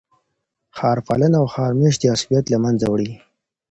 ښار پالنه او ښار میشتي عصبیت له منځه وړي.